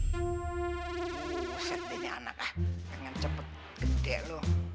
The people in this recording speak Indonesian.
buset ini anak ah jangan cepet gede loh